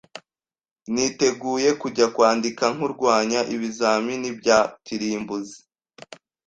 Niteguye kujya kwandika nkurwanya ibizamini bya kirimbuzi